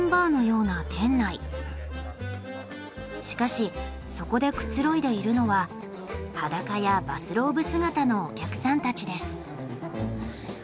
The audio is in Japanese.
しかしそこでくつろいでいるのは裸やバスローブ姿のお客さんたちです。